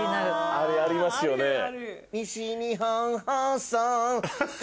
あれありますよね。アハハ！